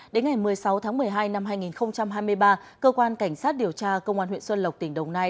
đến ngày một mươi sáu tháng một mươi hai năm hai nghìn hai mươi ba cơ quan cảnh sát điều tra công an huyện xuân lộc tỉnh đồng nai